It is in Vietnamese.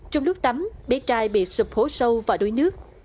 trong lúc tắm bé trai bị sụp hố sâu vào đuối nước